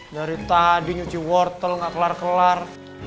dari tadi nyuci wortel gak kelar kelar